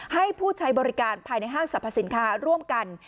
ให้ผู้ใช้บริการภายในห้างสรรพสินค้าร่วมกัน